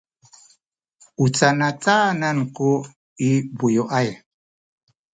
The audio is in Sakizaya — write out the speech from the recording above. u canacanan ku i bayuay?